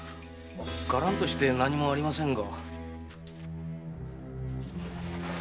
ガランとして何もありませんが。